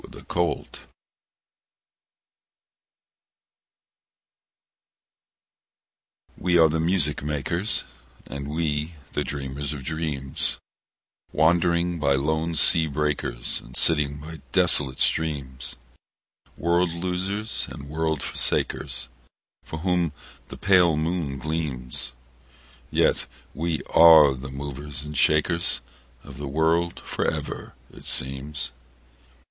Y Z Ode WE are the music makers, And we are the dreamers of dreams, Wandering by lone sea breakers, And sitting by desolate streams; World losers and world forsakers, On whom the pale moon gleams: Yet we are the movers and shakers Of the world for ever, it seems.